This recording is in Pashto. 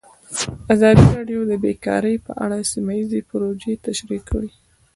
ازادي راډیو د بیکاري په اړه سیمه ییزې پروژې تشریح کړې.